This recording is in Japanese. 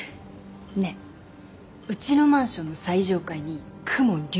ねえうちのマンションの最上階に公文竜